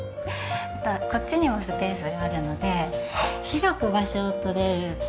あとはこっちにもスペースがあるので広く場所を取れるっていうのが。